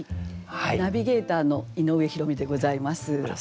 ナビゲーターの井上弘美でございます。